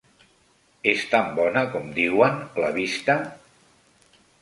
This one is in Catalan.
És tant bona com diuen la vista?